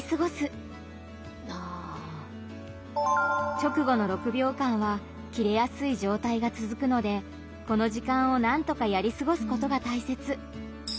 直後の６秒間はキレやすい状態がつづくのでこの時間をなんとかやりすごすことが大切。